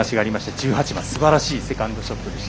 １８番、すばらしいセカンドショットでした。